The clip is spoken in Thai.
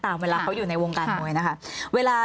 เวลาเขาอยู่ในวงการมวยนะคะ